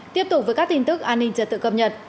tiếp tục với các tin tức an ninh trật tự cập nhật